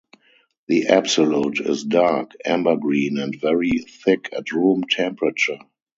The absolute is dark amber-green and very thick at room temperature.